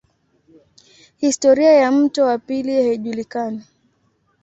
Historia ya mto wa pili haijulikani.